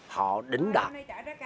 họ đứng đạt